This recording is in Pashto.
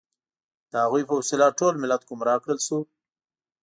د هغوی په وسیله ټول ملت ګمراه کړل شو.